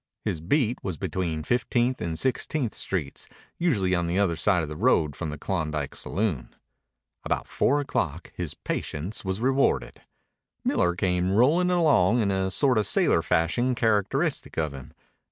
His beat was between Fifteenth and Sixteenth Streets, usually on the other side of the road from the Klondike Saloon. About four o'clock his patience was rewarded. Miller came rolling along in a sort of sailor fashion characteristic of him.